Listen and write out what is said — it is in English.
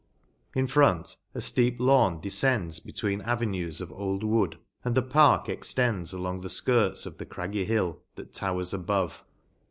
In front, a fteep lawn defcends between ENGLAND. 197 avenues of old wood, and the park extends along the Ikirts of the craggy hill, that towers above.